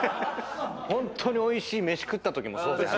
ホントにおいしい飯食ったときもそうじゃん。